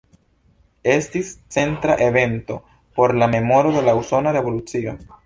Estis centra evento por la memoro de la Usona Revolucio.